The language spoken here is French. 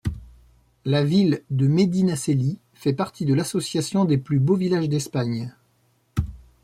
La ville de Medinaceli fait partie de l'association des Plus Beaux Villages d'Espagne.